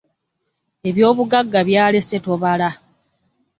Ebyobugagga by'alese tobala.